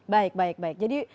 baik baik baik jadi